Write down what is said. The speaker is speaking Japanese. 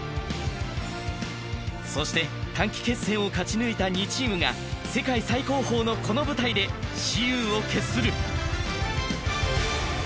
そして短期決戦を勝ち抜いた２チームが、世界最高峰のこの舞台で雌雄を決する。